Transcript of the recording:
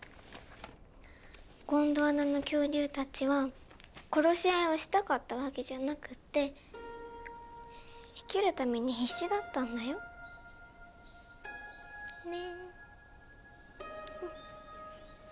ゴンドワナの恐竜たちは殺し合いをしたかったわけじゃなくて生きるために必死だったんだよ。ね。